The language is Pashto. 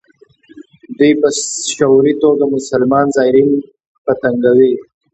دوی په شعوري توګه مسلمان زایرین په تنګوي.